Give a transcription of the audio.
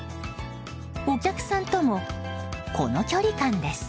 お客さんともこの距離感です。